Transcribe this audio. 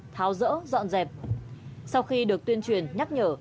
tháo rỡ dọn dẹp sau khi được tuyên truyền nhắc nhở